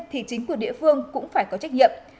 thì chính quyền địa phương cũng phải có trách nhiệm